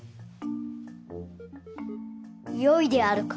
よいであるか？